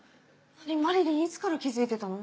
まりりんいつから気付いてたの？